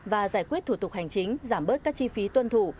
và giải quyết thủ tục hành chính giảm bớt các chi phí tuân thủ